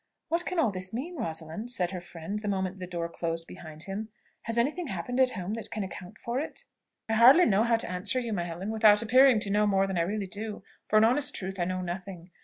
"What can all this mean, Rosalind?" said her friend the moment the door closed behind him. "Has any thing happened at home that can account for it?" "I hardly know how to answer you, my Helen, without appearing to know more than I really do for in honest truth I know nothing.